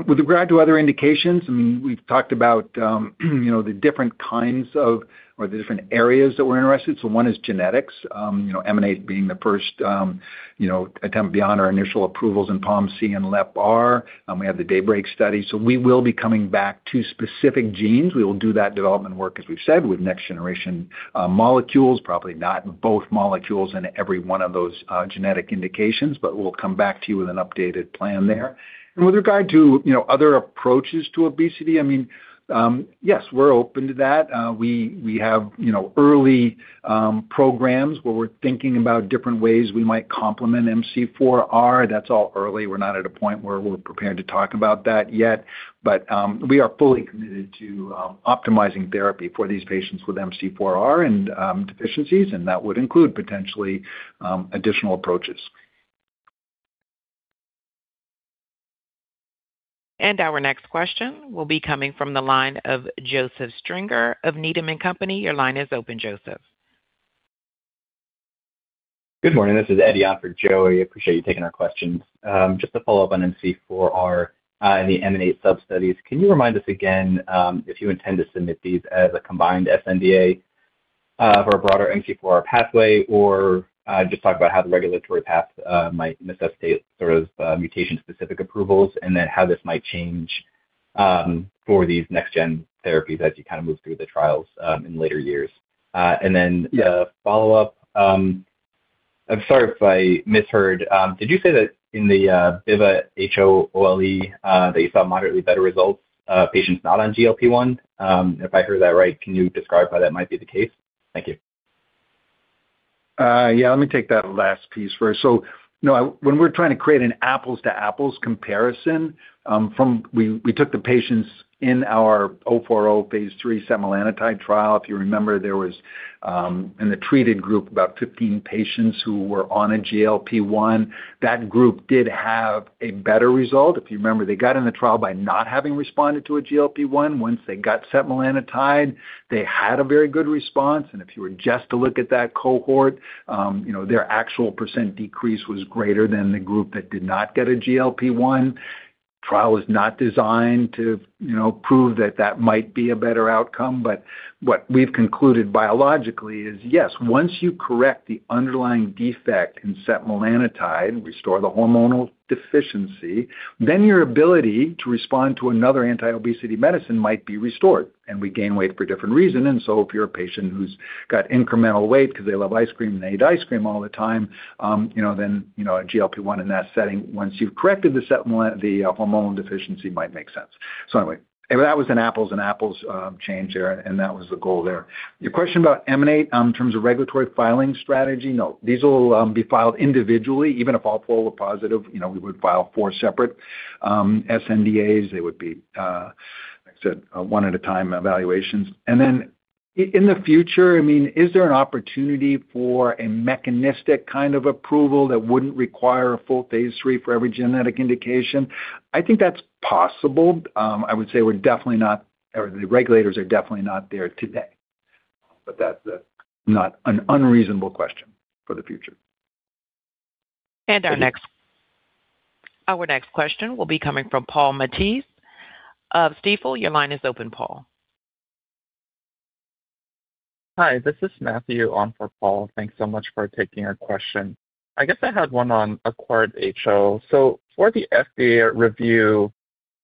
With regard to other indications, I mean, we've talked about, you know, the different kinds of, or the different areas that we're interested. One is genetics, you know, EMANATE being the first, you know, attempt beyond our initial approvals in POMC and LEPR. We have the DAYBREAK study, we will be coming back to specific genes. We will do that development work, as we've said, with next-generation molecules, probably not both molecules in every one of those genetic indications, but we'll come back to you with an updated plan there. With regard to, you know, other approaches to obesity, I mean, yes, we're open to that. We, we have, you know, early programs where we're thinking about different ways we might complement MC4R. That's all early. We're not at a point where we're prepared to talk about that yet, but we are fully committed to optimizing therapy for these patients with MC4R and deficiencies, and that would include potentially additional approaches. Our next question will be coming from the line of Joseph Stringer of Needham & Company. Your line is open, Joseph. Good morning, this is Eddie on for Joe. I appreciate you taking our questions. Just a follow-up on MC4R, and the EMANATE sub-studies, can you remind us again, if you intend to submit these as a combined sNDA, for a broader MC4R pathway, or, just talk about how the regulatory path, might necessitate sort of, mutation-specific approvals, and then how this might change, for these next gen therapies as you kind of move through the trials, in later years? A follow-up. I'm sorry if I misheard. Did you say that in the, bivamelagon HO OLE, that you saw moderately better results, patients not on GLP-1? If I heard that right, can you describe why that might be the case? Thank you. Yeah, let me take that last piece first. You know, when we're trying to create an apples to apples comparison, We took the patients in our RM-493-040 Phase 3 setmelanotide trial. If you remember, there was, in the treated group, about 15 patients who were on a GLP-1. That group did have a better result. If you remember, they got in the trial by not having responded to a GLP-1. Once they got setmelanotide, they had a very good response, and if you were just to look at that cohort, you know, their actual percent decrease was greater than the group that did not get a GLP-1. Trial was not designed to, you know, prove that that might be a better outcome, but what we've concluded biologically is, yes, once you correct the underlying defect in setmelanotide, restore the hormonal deficiency, then your ability to respond to another anti-obesity medicine might be restored. We gain weight for a different reason if you're a patient who's got incremental weight because they love ice cream and they eat ice cream all the time, you know, then, you know, a GLP-1 in that setting, once you've corrected the hormonal deficiency might make sense. That was an apples and apples change there, and that was the goal there. Your question about EMANATE, in terms of regulatory filing strategy, no, these will be filed individually. Even if all four were positive, you know, we would file four separate sNDAs. They would be, like I said, one at a time evaluations. In the future, I mean, is there an opportunity for a mechanistic kind of approval that wouldn't require a full Phase 3 for every genetic indication? I think that's possible. I would say we're definitely not, or the regulators are definitely not there today. That's not an unreasonable question for the future. Our next question will be coming from Paul Matteis of Stifel. Your line is open, Paul. Hi, this is Matthew on for Paul. Thanks so much for taking our question. I guess I had one on acquired HO. For the FDA review,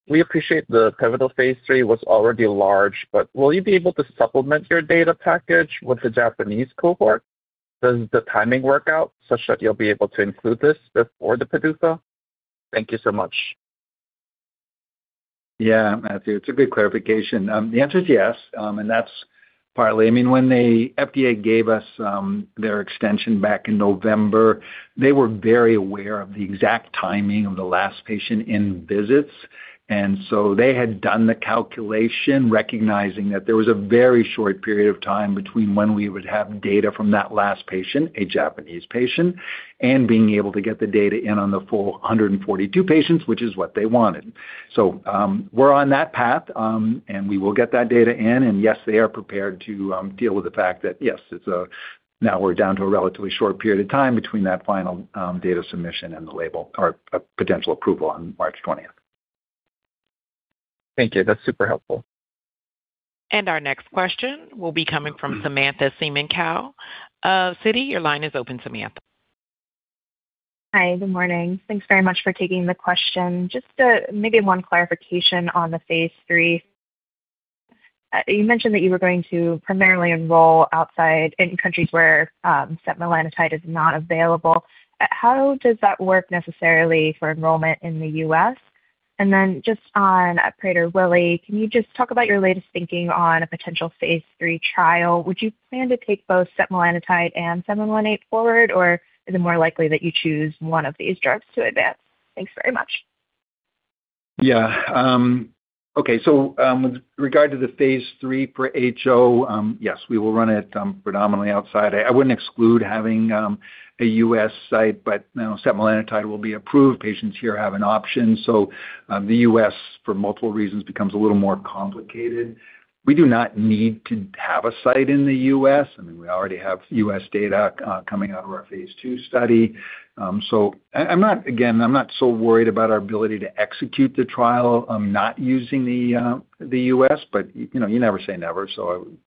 we appreciate the pivotal Phase 3 was already large, but will you be able to supplement your data package with the Japanese cohort? Does the timing work out such that you'll be able to include this before the PDUFA? Thank you so much. Yeah, Matthew, it's a good clarification. The answer is yes, and that's partly, I mean, when the FDA gave us their extension back in November, they were very aware of the exact timing of the last patient in visits. So they had done the calculation, recognizing that there was a very short period of time between when we would have data from that last patient, a Japanese patient, and being able to get the data in on the full 142 patients, which is what they wanted. So we're on that path, and we will get that data in. Yes, they are prepared to deal with the fact that, yes, it's now we're down to a relatively short period of time between that final data submission and the label or potential approval on March 20th. Thank you. That's super helpful. Our next question will be coming from Samantha Semenkow of Citi. Your line is open, Samantha. Hi, good morning. Thanks very much for taking the question. Just maybe one clarification on the Phase 3. You mentioned that you were going to primarily enroll outside in countries where setmelanotide is not available. How does that work necessarily for enrollment in the U.S.? Just on Prader-Willi, can you just talk about your latest thinking on a potential Phase 3 trial? Would you plan to take both setmelanotide and semaglutide forward, or is it more likely that you choose one of these drugs to advance? Thanks very much. Yeah. Okay, with regard to the Phase 3 for HO, yes, we will run it predominantly outside. I wouldn't exclude having a U.S. site, but, you know, setmelanotide will be approved. Patients here have an option, so, the U.S., for multiple reasons, becomes a little more complicated. We do not need to have a site in the U.S., I mean, we already have U.S. data coming out of our Phase 2 study. I'm not, again, I'm not so worried about our ability to execute the trial. I'm not using the U.S., but, you know, you never say never, so I would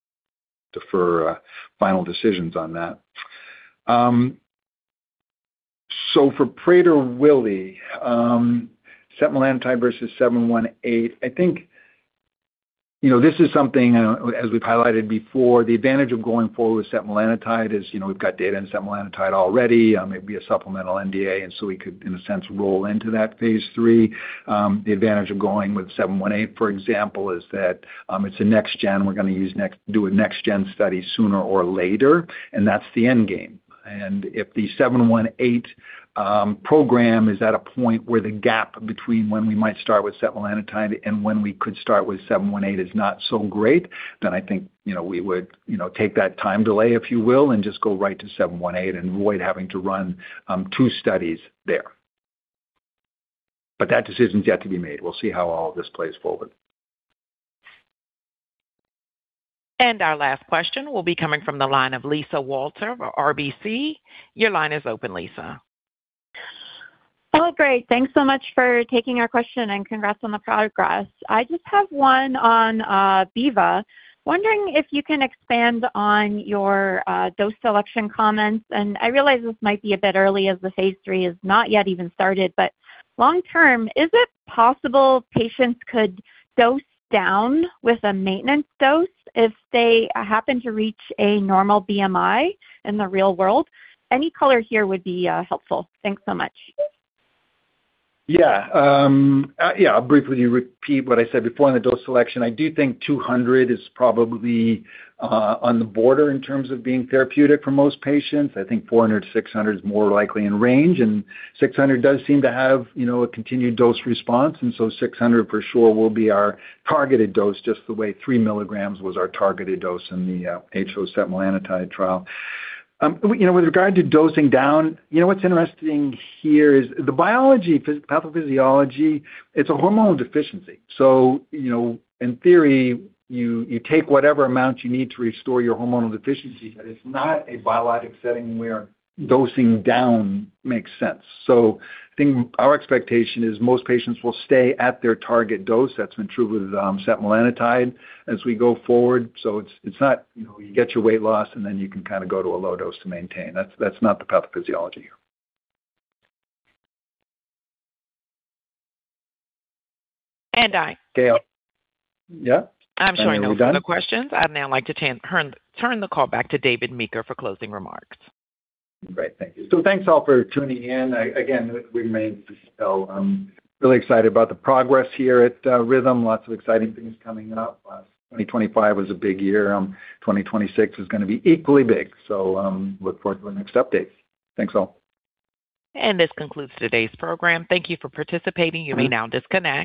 defer final decisions on that. For Prader-Willi, setmelanotide versus RM-718, I think, you know, this is something, as we've highlighted before, the advantage of going forward with setmelanotide is, you know, we've got data on setmelanotide already. It'd be a supplemental NDA, and so we could, in a sense, roll into Phase 3. the advantage of going with RM-718, for example, is that, it's a next gen. We're gonna do a next gen study sooner or later, and that's the end game. If the RM-718 program is at a point where the gap between when we might start with setmelanotide and when we could start with RM-718 is not so great, I think, you know, we would, you know, take that time delay, if you will, and just go right to RM-718 and avoid having to run two studies there. That decision is yet to be made. We'll see how all this plays forward. Our last question will be coming from the line of Lisa Walter of RBC. Your line is open, Lisa. Oh, great. Thanks so much for taking our question, and congrats on the progress. I just have one on bivamelagon. Wondering if you can expand on your dose selection comments, and I realize this might be a bit early, as Phase 3 is not yet even started, but long term, is it possible patients could dose down with a maintenance dose if they happen to reach a normal BMI in the real world? Any color here would be helpful. Thanks so much. Yeah, yeah, I'll briefly repeat what I said before in the dose selection. I do think 200 is probably on the border in terms of being therapeutic for most patients. I think 400 mg, 600 mg is more likely in range, 600 mg does seem to have, you know, a continued dose response, 600 mg for sure will be our targeted dose, just the way 3 mg was our targeted dose in the HO setmelanotide trial. You know, with regard to dosing down, you know, what's interesting here is the biology, pathophysiology, it's a hormonal deficiency. You know, in theory, you take whatever amount you need to restore your hormonal deficiency, but it's not a biologic setting where dosing down makes sense. I think our expectation is most patients will stay at their target dose. That's been true with, setmelanotide as we go forward. It's, it's not, you know, you get your weight loss, and then you can kind of go to a low dose to maintain. That's, that's not the pathophysiology. And I- Okay. Yeah? I'm showing no further questions. Are we done? I'd now like to turn the call back to David Meeker for closing remarks. Great, thank you. Thanks all for tuning in. again, we remain still, really excited about the progress here at Rhythm. Lots of exciting things coming up. 2025 was a big year. 2026 is gonna be equally big. Look forward to our next update. Thanks, all. This concludes today's program. Thank you for participating. You may now disconnect.